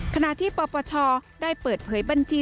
ขณะที่ปปชได้เปิดเผยบัญชี